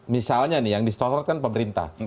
misalnya nih yang disosotkan pemerintah